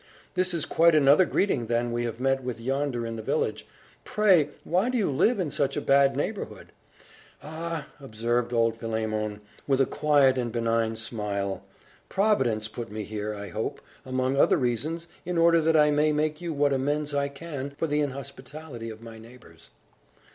"This is quite another greeting than we have met with yonder in the village. Pray, why do you live in such a bad neighbourhood?" "Ah!" observed old Philemon, with a quiet and benign smite, "Providence put me here, I hope, among other reasons, in order that I may make you what amends I can for the inhospitality of my neighbours."